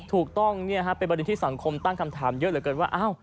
ถูกต้องเป็นประเด็นที่สังคมตั้งคำถามเยอะเหลือเกินว่า